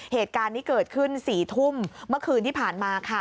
เหตุการณ์นี้เกิดขึ้น๔ทุ่มเมื่อคืนที่ผ่านมาค่ะ